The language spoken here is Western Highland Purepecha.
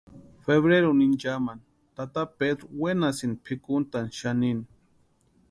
Febreruni inchamani tata Pedró wenasïnti pʼikuntani xanini.